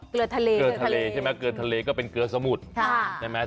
เกลือทะเลใช่ไหมเกลือทะเลก็เป็นเกลือสมุทรใช่ไหม